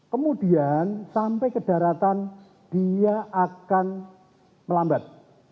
kemudian sampai ke daratan dia akan melambat